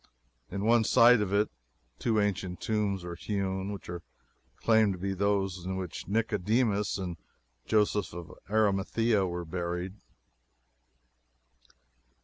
In one side of it two ancient tombs are hewn, which are claimed to be those in which Nicodemus and Joseph of Aramathea were buried.